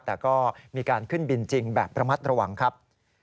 แต่ก็มีการขึ้นบินจริงแบบระมัดระวังครับ